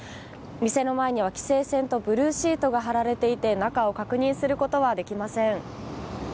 店の前には規制線とブルーシートが張られていて中を確認することはできません。